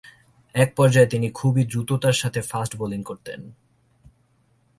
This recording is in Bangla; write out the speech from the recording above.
এক পর্যায়ে তিনি খুবই দ্রুততার সাথে ফাস্ট বোলিং করতেন।